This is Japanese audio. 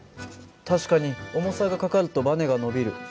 確かに重さがかかるとばねが伸びる。